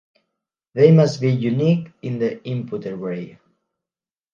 they must be unique in the input array